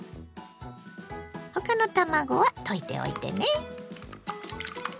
他の卵は溶いておいてね。